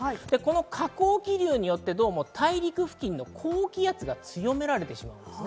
下降気流によって大陸付近の高気圧が強められてしまいます。